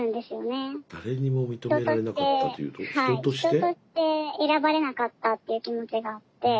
人として選ばれなかったという気持ちがあって。